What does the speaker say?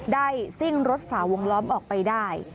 ได้สิ้งรถสาวงล้อมออกไปได้